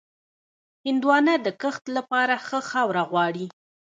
هندوانه د کښت لپاره ښه خاوره غواړي.